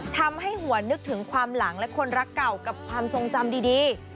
ทำให้หัวนึกถึงความหลังและคนรักเก่ากับความทรงจำดี